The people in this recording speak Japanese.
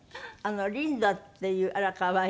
「リンダ」っていうあら可愛い。